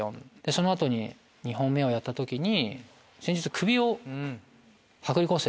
その後に２本目をやった時に。